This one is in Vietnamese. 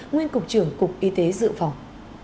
nguyên cục trưởng cục y tế dự phòng